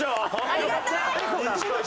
ありがたい！